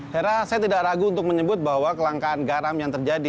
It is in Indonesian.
hera saya tidak ragu untuk menyebut bahwa kelangkaan garam yang terjadi